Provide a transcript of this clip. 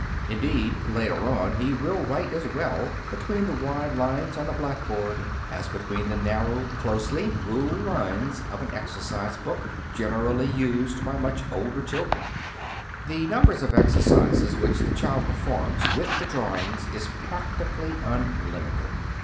Indeed, later on he will write as well between the wide lines on a blackboard as between the narrow, closely ruled lines of an exercise book, generally used by much older children. The number of exercises which the child performs with the drawings is practically unlimited.